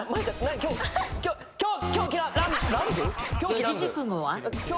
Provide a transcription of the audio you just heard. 四字熟語は？